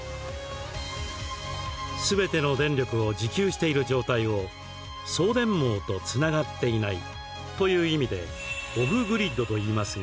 すべての電力を自給している状態を送電網とつながっていないという意味でオフグリッドといいますが